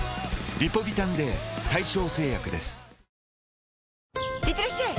続くいってらっしゃい！